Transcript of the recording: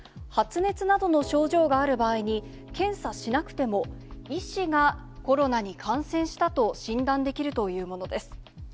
発熱などの症状がある場合に、検査しなくても、医師がコロナに感染したと診断できるというものです。